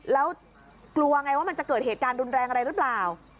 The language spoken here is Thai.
แล้วกลัวไงว่ามันจะเกิดเหตุการณ์รุนแรงอะไรหรือเปล่า